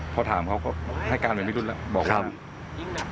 พอถามเขาก็ให้การหัวไว้ไม่รู้แล้วบอกดวงว่าว่าอย่างไร